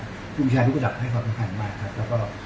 คุณผู้ชายรุปฐักษ์ให้ความสำคัญมากครับแล้วก็